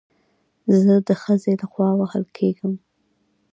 زه د خځې له خوا وهل کېږم